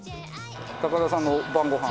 高田さんの晩ご飯。